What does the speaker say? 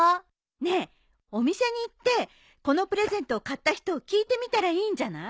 ねえお店に行ってこのプレゼントを買った人を聞いてみたらいいんじゃない。